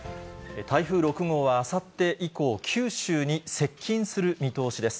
台風６号はあさって以降、九州に接近する見通しです。